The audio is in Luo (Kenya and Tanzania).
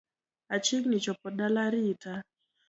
Achiegni chopo dala rita